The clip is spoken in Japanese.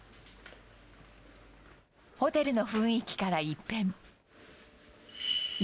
ホテルの雰囲気から一変。